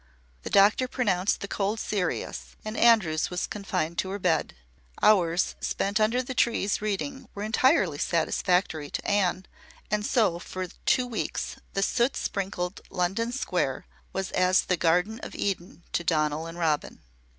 The doctor pronounced the cold serious, and Andrews was confined to her bed. Hours spent under the trees reading were entirely satisfactory to Anne. And so, for two weeks, the soot sprinkled London square was as the Garden of Eden to Donal and Robin.